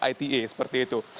ite seperti itu